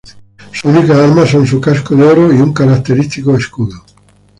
Sus únicas armas son su casco de oro y un característico escudo.